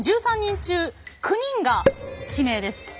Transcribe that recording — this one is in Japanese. １３人中９人が地名です。